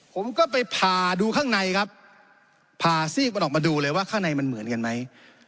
ผมก็ไปผ่าดูข้างในครับผ่าซีกมันออกมาดูเลยว่าข้างในมันเหมือนกันไหม